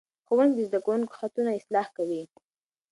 ښوونکي د زده کوونکو خطونه اصلاح کوي.